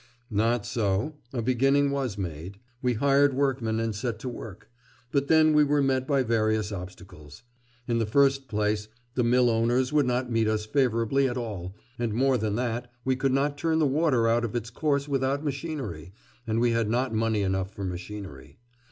'Not so. A beginning was made. We hired workmen, and set to work. But then we were met by various obstacles. In the first place the millowners would not meet us favourably at all; and more than that, we could not turn the water out of its course without machinery, and we had not money enough for machinery.